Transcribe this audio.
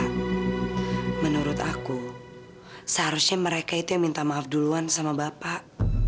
karena menurut aku seharusnya mereka itu yang minta maaf duluan sama bapak